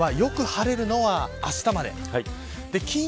西日本はよく晴れるのはあしたまで。